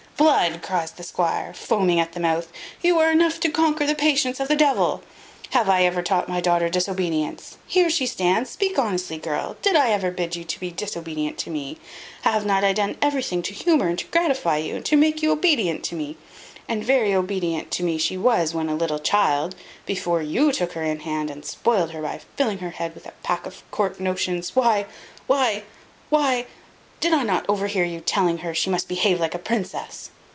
"Blood!" cries the squire, foaming at the mouth, "you are enough to conquer the patience of the devil! Have I ever taught my daughter disobedience? Here she stands; speak honestly, girl, did ever I bid you be disobedient to me? Have not I done everything to humour and to gratify you, and to make you obedient to me? And very obedient to me she was when a little child, before you took her in hand and spoiled her, by filling her head with a pack of court notions. Why why why did I not overhear you telling her she must behave like a princess?